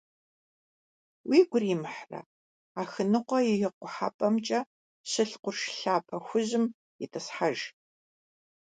Уигу иримыхьрэ, Ахыныкъуэ и къухьэпӀэмкӀэ щылъ къурш лъапэ хужьым итӀысхьэж.